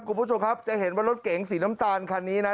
คุณผู้ชมครับจะเห็นว่ารถเก๋งสีน้ำตาลคันนี้นะ